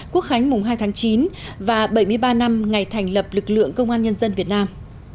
quốc khánh mùng hai tháng chín và bảy mươi ba năm ngày thành lập lực lượng công an nhân dân việt nam